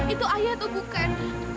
itu ayah atau bukan